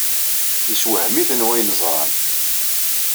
Yessewhem-iten wayen ẓran.